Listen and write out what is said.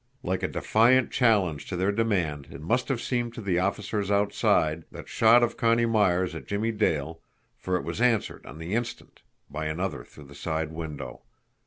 Like a defiant challenge to their demand it must have seemed to the officers outside, that shot of Connie Myers at Jimmie Dale, for it was answered on the instant by another through the side window.